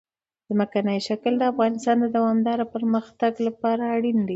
ځمکنی شکل د افغانستان د دوامداره پرمختګ لپاره اړین دي.